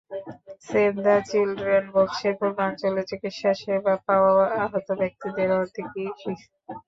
Save the Children বলছে, পূর্বাঞ্চলে চিকিৎসাসেবা পাওয়া আহত ব্যক্তিদের অর্ধেকই শিশু।